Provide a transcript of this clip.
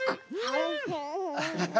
アハハ。